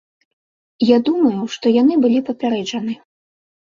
Я думаю, што яны былі папярэджаны.